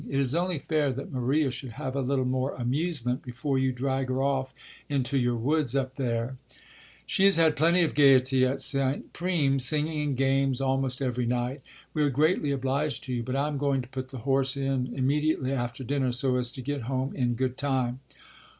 It is only fair that Maria should have a little more amusement before you drag her off into your woods up there." "She has had plenty of gaiety at St. Prime; singing and games almost every night. We are greatly obliged to you, but I am going to put the horse in immediately after dinner so as to get home in good time."